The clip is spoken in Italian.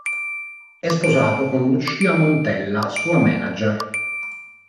È sposato con Lucia Montella, sua manager.